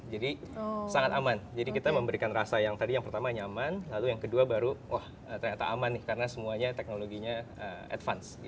jadi sangat aman jadi kita memberikan rasa yang tadi yang pertama nyaman lalu yang kedua baru ternyata aman nih karena semuanya teknologinya advance